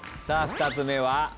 さあ３つ目。